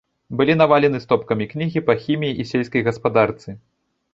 Былі навалены стопкамі кнігі па хіміі і сельскай гаспадарцы.